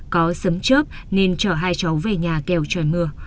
có sấm chớp nên chở hai cháu về nhà kèo trời mưa